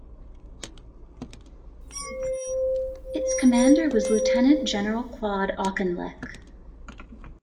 Its commander was Lieutenant General Claude Auchinleck.